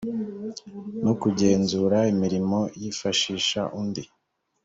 no kugenzura imirimo yifashisha undi